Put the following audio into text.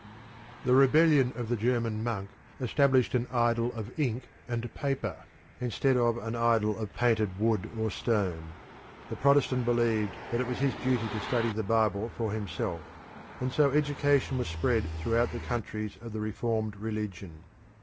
The rebellion of the German monk established an idol of ink and paper, instead of an idol of painted wood or stone; the Protestant believed that it was his duty to study the Bible for himself, and so education was spread throughout the countries of the Reformed Religion.